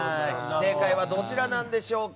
正解はどちらなんでしょうか